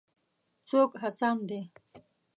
څوک هڅاند دی.